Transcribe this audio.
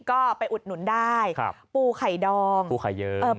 ก็ไปอุดหนุนได้ปูไข่ดองปูไข่เยิ้ม